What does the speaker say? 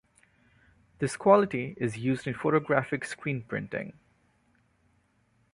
This quality is used in photographic screen-printing.